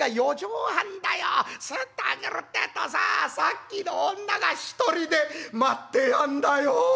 すっと開けるってえとささっきの女が一人で待ってやんだよ」。